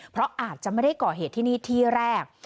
เพราะอาจจะไม่ได้ก่อเหตุที่นี่ที่แรก